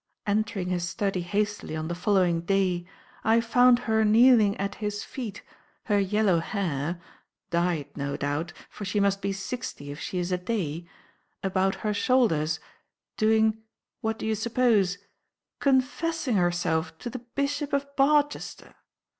Entering his study hastily on the following day, I found her kneeling at his feet, her yellow hair (dyed, no doubt, for she must be sixty if she is a day) about her shoulders, doing what do you suppose—? Confessing herself to the Bishop of Barchester!